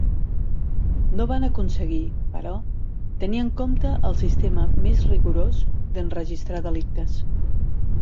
No van aconseguir, però, tenir en compte el sistema més rigorós d'enregistrar delictes.